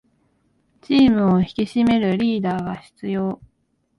チームを引き締めるリーダーが必要